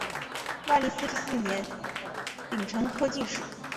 万历四十四年丙辰科进士。